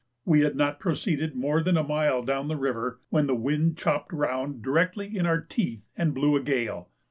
We had not proceeded more than a mile down the river, when the wind chopped round directly in our teeth, and blew a gale.